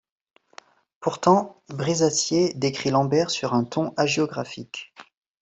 Pourtant, Brisacier décrit Lambert sur un ton hagiographique.